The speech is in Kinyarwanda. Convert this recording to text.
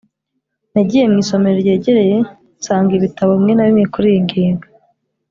nagiye mu isomero ryegereye nsanga ibitabo bimwe na bimwe kuriyi ngingo